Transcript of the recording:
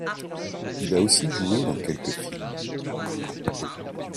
Il a aussi joué dans quelques films.